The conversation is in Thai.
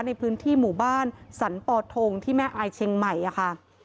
ในพื้นที่หมู่บ้านสรรปอทงที่แม่อายเชียงใหม่ค่ะ